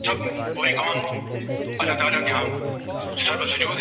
پاکستان کا یورپی یونین میں بھارت کی باسمتی چاول کی رجسٹریشن چیلنج کرنیکا اعلان